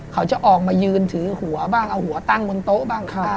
เขาจะออกมายืนถือหัวบ้างเอาหัวตั้งบนโต๊ะบ้าง